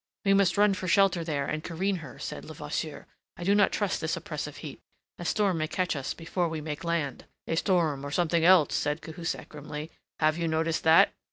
"We must run for shelter there, and careen her," said Levasseur. "I do not trust this oppressive heat. A storm may catch us before we make land." "A storm or something else," said Cahusac grimly. "Have you noticed that?"